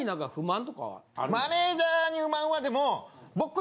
マネジャーに不満は。